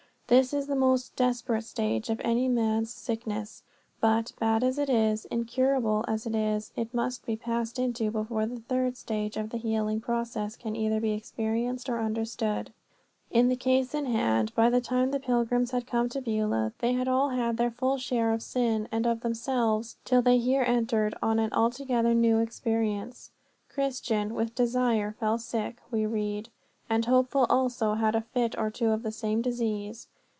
This is the most desperate stage in any man's sickness; but, bad as it is, incurable as it is, it must be passed into before the third stage of the healing process can either be experienced or understood. In the case in hand, by the time the pilgrims had come to Beulah they had all had their full share of sin and of themselves till they here entered on an altogether new experience. "Christian with desire fell sick," we read, "and Hopeful also had a fit or two of the same disease.